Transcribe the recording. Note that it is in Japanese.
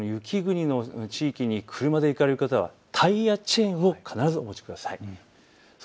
雪国の地域に車で行かれる方はタイヤチェーンを必ずお持ちください。